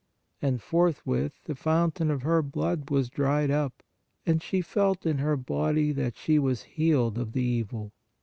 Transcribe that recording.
And forthwith the fountain of her blood was dried up, and she felt in her body that she was healed of the evil.